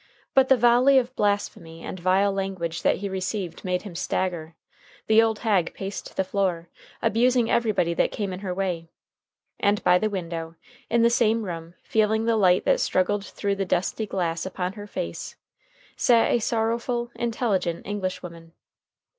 But the volley of blasphemy and vile language that he received made him stagger. The old hag paced the floor, abusing everybody that came in her way. And by the window, in the same room, feeling the light that struggled through the dusty glass upon her face, sat a sorrowful, intelligent Englishwoman.